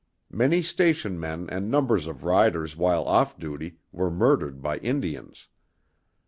Many station men and numbers of riders while off duty were murdered by Indians.